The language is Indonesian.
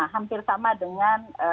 hampir sama dengan